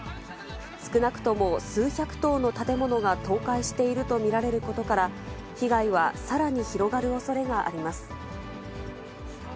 少なくとも数百棟の建物が倒壊していると見られることから、被害はさらに広がるおそれがあります。